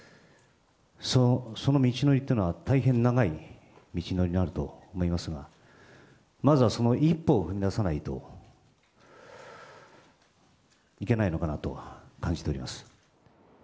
その道のりというのは、大変長い道のりになると思いますが、まずはその一歩を踏み出さないといけないのかなと感じております。